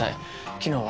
昨日は？